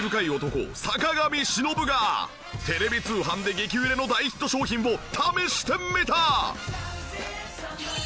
テレビ通販で激売れの大ヒット商品を試してみた！